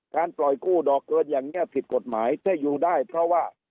ปล่อยกู้ดอกเกินอย่างนี้ผิดกฎหมายถ้าอยู่ได้เพราะว่า